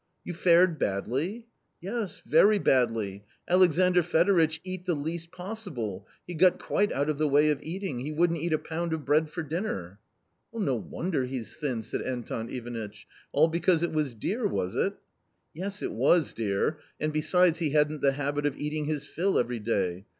"You fared badly?" "Yes, very badly. Alexandr Fedoritch eat the least possible ; he got quite out of the way of eating ; he wouldn't eat a pound of bread for dinner." "No wonder he's thin," said Anton Ivanitch. "All be cause it was dear, was it." " Yes, it was dear, and besides, he hadn't the habit of eating his fill every day.